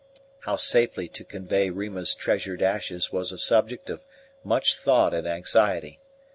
How safely to convey Rima's treasured ashes was a subject of much thought and anxiety.